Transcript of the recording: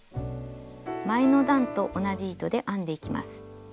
前の段と同じ糸で編んでいきます。